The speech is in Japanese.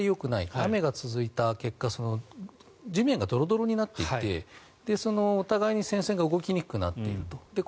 雨が続いた結果地面がドロドロになっていてお互いに戦線が動きにくくなっていると。